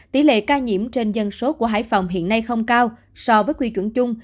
tỷ lệ ca nhiễm trên dân số của hải phòng hiện nay không cao so với quy chuẩn chung